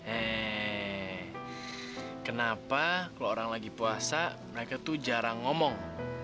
eh kenapa kalau orang lagi puasa mereka tuh jarang ngomong